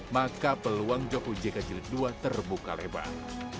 maka peluang jokowi jk jilid dua terbuka lebar